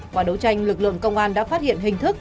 qua đấu tranh lực lượng công an đã phát hiện hình thức